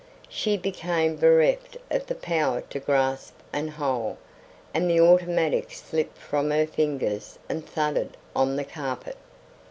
She became bereft of the power to grasp and hold, and the automatic slipped from her fingers and thudded on the carpet.